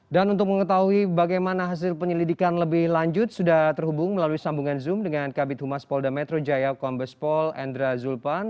dan untuk mengetahui bagaimana hasil penyelidikan lebih lanjut sudah terhubung melalui sambungan zoom dengan kabit humas polda metro jaya kompas pol endra zulpan